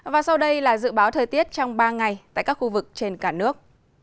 và sau đây là dự báo thời tiết trong ba ngày tại các khu vực trên cả nước